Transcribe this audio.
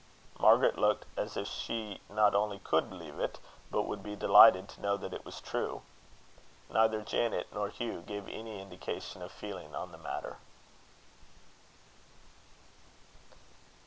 Margaret looked as if she not only could believe it, but would be delighted to know that it was true. Neither Janet nor Hugh gave any indication of feeling on the matter.